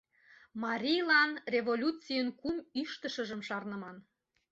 Марийлан революцийын кум ӱштышыжым шарныман.